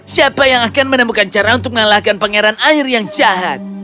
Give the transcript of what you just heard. siapa yang akan menemukan cara untuk mengalahkan pangeran air yang jahat